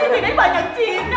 di pilat banyak jin